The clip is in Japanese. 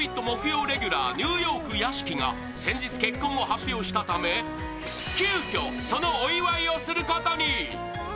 木曜レギュラー、ニューヨーク屋敷が先日結婚を発表したため急きょ、そのお祝いをすることに。